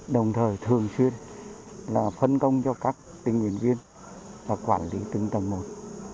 đồng thời thường xuyên là phân công cho các tình nguyện viên quản lý từng tầng một